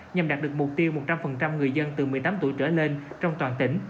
nhằm đạt được mục tiêu một trăm linh người dân từ một mươi tám tuổi trở lên trong toàn tỉnh